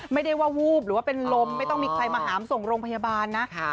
ไม่ได้ว่าวูบหรือว่าเป็นลมไม่ต้องมีใครมาหามส่งโรงพยาบาลนะ